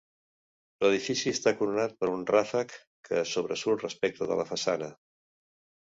L'edifici està coronat per un ràfec que sobresurt respecte de la façana.